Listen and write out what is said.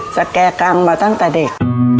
จะแก่กลางมาตั้งแต่เด็ก